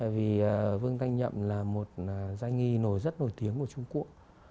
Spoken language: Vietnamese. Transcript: vì vương thanh nhậm là một giai nghi nổi rất nổi tiếng của trung quốc